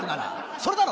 それだろ？